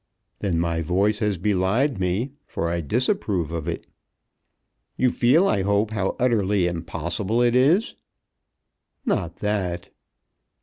"Then my voice has belied me, for I disapprove of it." "You feel, I hope, how utterly impossible it is." "Not that."